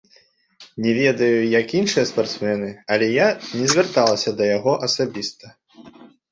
Не ведаю, як іншыя спартсмены, але я не звярталася да яго асабіста.